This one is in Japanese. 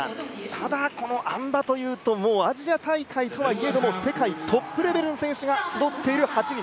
ただ、このあん馬というとアジア大会とはいえども世界トップレベルの選手が集っている８人。